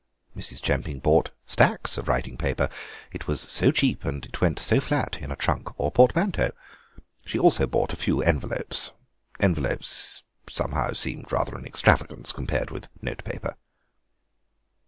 Mrs. Chemping bought stacks of writing paper; it was so cheap, and it went so flat in a trunk or portmanteau. She also bought a few envelopes—envelopes somehow seemed rather an extragavance compared with notepaper.